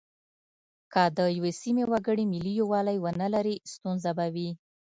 که د یوې سیمې وګړي ملي یووالی ونه لري ستونزه به وي.